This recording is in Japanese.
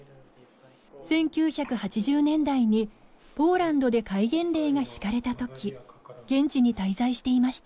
１９８０年代にポーランドで戒厳令が敷かれたとき現地に滞在していました。